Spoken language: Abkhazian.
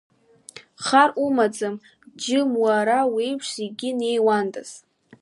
Хар умаӡам, џьым, уара уеиԥш зегьы неиуандаз!